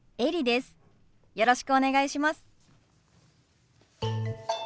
よろしくお願いします。